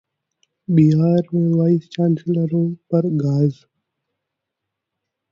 बिहार में वाइस चांसलरों पर गाज